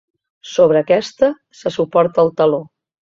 Sobre aquesta se suporta el taló.